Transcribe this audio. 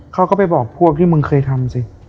เขาก็ไปบอกพวกที่มึงเคยทำสิ